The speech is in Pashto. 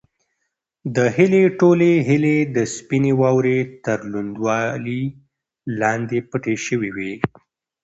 د هیلې ټولې هیلې د سپینې واورې تر لوندوالي لاندې پټې شوې وې.